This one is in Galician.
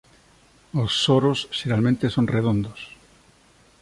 Os soros xeralmente son redondos.